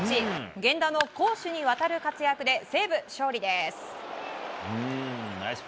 源田の攻守にわたる活躍で西武、勝利です。